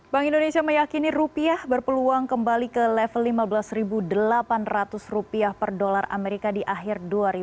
bank indonesia meyakini rupiah berpeluang kembali ke level lima belas delapan ratus rupiah per dolar amerika di akhir dua ribu dua puluh